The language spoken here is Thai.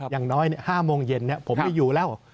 อย่างน้อย๕โมงเย็นผมไม่อยู่แล้ว